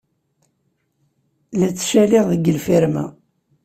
La ttcaliɣ deg lfirma.